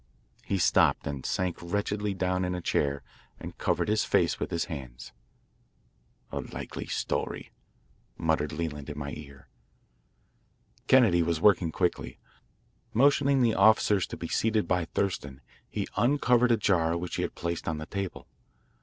He stopped and sank wretchedly down in a chair and covered his face with his hands. "A likely story," muttered Leland in my ear. Kennedy was working quickly. Motioning the officers to be seated by Thurston, he uncovered a jar which he had placed on the table.